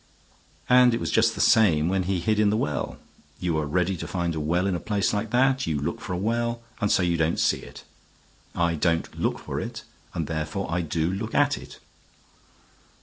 And it was just the same when he hid in the well. You are ready to find a well in a place like that; you look for a well, and so you don't see it. I don't look for it, and therefore I do look at it."